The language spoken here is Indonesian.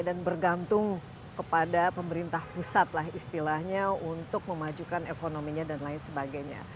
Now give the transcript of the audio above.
dan bergantung kepada pemerintah pusat lah istilahnya untuk memajukan ekonominya dan lain sebagainya